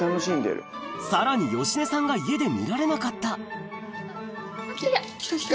さらに芳根さんが家で見られなかったあっ来た来た。